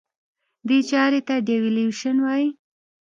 دې چارې ته Devaluation وایي.